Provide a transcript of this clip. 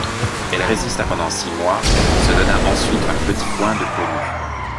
Elle résista pendant six mois, se donna ensuite par petits coins de peau nue.